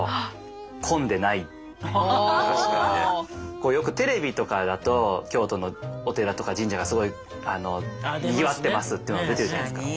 僕よくテレビとかだと京都のお寺とか神社がすごいにぎわってますっていうの出てるじゃないですか。